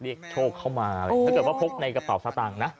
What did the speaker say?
โชคเข้ามาอะไรถ้าเกิดว่าพกในกระเป๋าสตางค์นะ